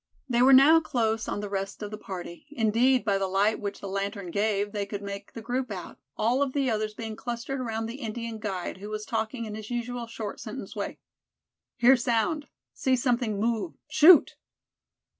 They were now close on the rest of the party; indeed, by the light which the lantern gave, they could make the group out, all of the others being clustered around the Indian guide, who was talking in his usual short sentence way. "Hear sound, see something move, shoot!"